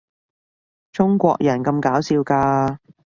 中國人咁搞笑㗎